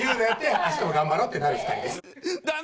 あすも頑張ろうってなる２人です。